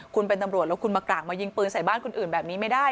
คุณเป็นตำรวจแล้วคุณมากร่างมายิงปืนใส่บ้านคนอื่นแบบนี้ไม่ได้